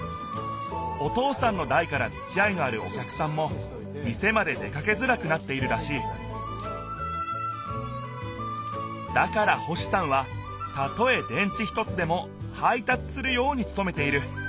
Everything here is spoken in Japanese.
お父さんのだいからつきあいのあるお客さんも店まで出かけづらくなっているらしいだから星さんはたとえ電池一つでも配達するようにつとめている。